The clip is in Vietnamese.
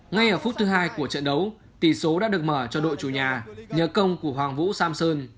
ngay ở phút thứ hai của trận đấu tỷ số đã được mở cho đội chủ nhà nhờ công của hoàng vũ samson